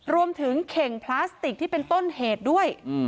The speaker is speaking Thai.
เข่งพลาสติกที่เป็นต้นเหตุด้วย